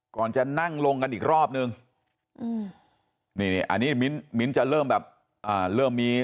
ก่อนจะนั่งลงกันอีกรอบนึงอันนี้มิ้นมิ้นจะเริ่มแบบเริ่มมี